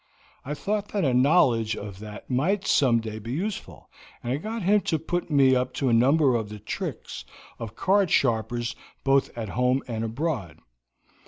I thought that a knowledge of that might some day be useful, and I got him to put me up to a number of the tricks of card sharpers both at home and abroad.